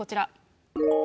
こちら。